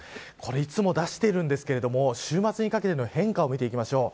いつも出しているんですが週末にかけての変化を見ていきましょう。